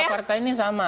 dua partai ini sama